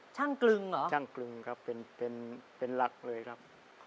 กลึงเหรอช่างกลึงครับเป็นเป็นหลักเลยครับ